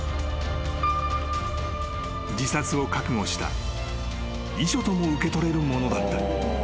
［自殺を覚悟した遺書とも受け取れるものだった］